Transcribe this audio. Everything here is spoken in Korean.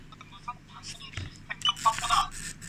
한편으로 동혁의 소식이 끊겨서 가뜩이나 심약해진 영신의 애를 태웠다.